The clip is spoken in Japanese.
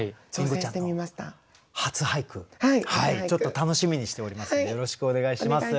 ちょっと楽しみにしておりますのでよろしくお願いします。